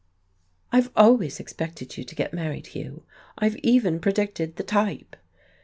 "I've always expected you to get married, Hugh. I've even predicted the type."